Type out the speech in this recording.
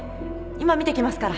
今見てきますから